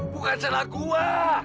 bukan salah gue